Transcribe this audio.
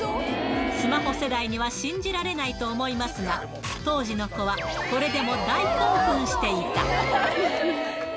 スマホ世代には信じられないと思いますが、当時の子は、これでも大興奮していた。